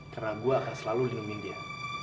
karena gue akan selalu lindungin dia